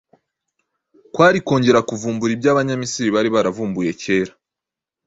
kwari ukongera kuvumbura iby’Abanyamisiri bari baravumbuye kera